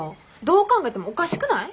どう考えてもおかしくない？